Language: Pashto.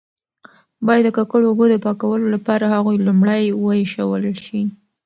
باید د ککړو اوبو د پاکولو لپاره هغوی لومړی وایشول شي.